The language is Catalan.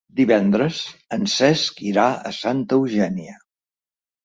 Divendres en Cesc irà a Santa Eugènia.